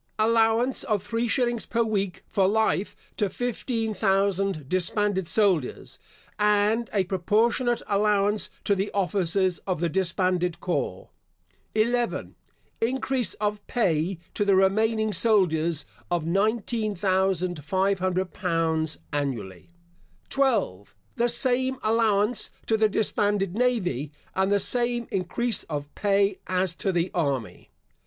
Allowance of three shillings per week for life to fifteen thousand disbanded soldiers, and a proportionate allowance to the officers of the disbanded corps. 11. Increase of pay to the remaining soldiers of L19,500 annually. 12. The same allowance to the disbanded navy, and the same increase of pay, as to the army.